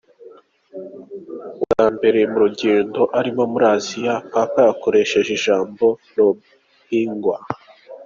Ubwa mbere mu rugendo arimwo muri Asia, Papa yakoresheje ijambo 'Rohingya'.